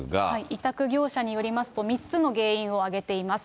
委託業者によりますと、３つの原因を挙げています。